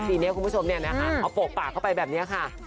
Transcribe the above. ปีนี้คุณผู้ชมเนี่ยนะคะเอาโปกปากเข้าไปแบบนี้ค่ะ